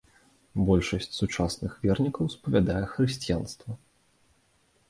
Большасць сучасных вернікаў спавядае хрысціянства.